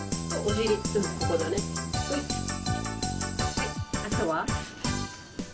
はいあとは？